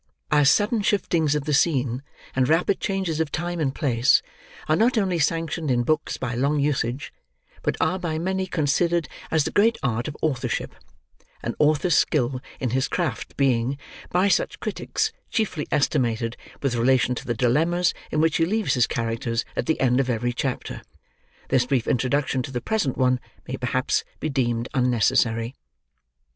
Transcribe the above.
As sudden shiftings of the scene, and rapid changes of time and place, are not only sanctioned in books by long usage, but are by many considered as the great art of authorship: an author's skill in his craft being, by such critics, chiefly estimated with relation to the dilemmas in which he leaves his characters at the end of every chapter: this brief introduction to the present one may perhaps be deemed unnecessary.